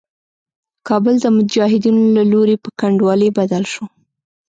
کابل د مجاهدينو له لوري په کنډوالي بدل شو.